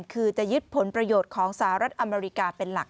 คือจะยึดผลประโยชน์ของสหรัฐอเมริกาเป็นหลัก